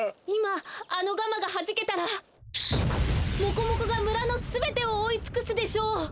いまあのガマがはじけたらモコモコがむらのすべてをおおいつくすでしょう！